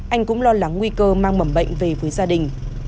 anh cũng lo lắng nguy cơ mang mầm bệnh về với gia đình